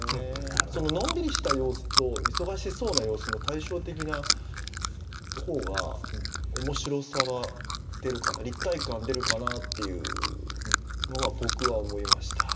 のんびりした様子と忙しそうな様子の対照的な方が面白さが出るかな立体感出るかなっていうのは僕は思いました。